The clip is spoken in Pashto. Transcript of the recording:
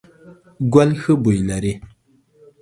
ګل ښه بوی لري ….